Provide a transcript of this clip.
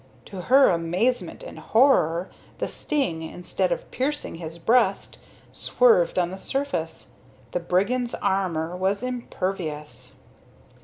To her amazement and horror, the sting, instead of piercing his breast, swerved on the surface. The brigand's armor was impervious.